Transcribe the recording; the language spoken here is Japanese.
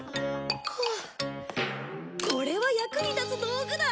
これは役に立つ道具だ。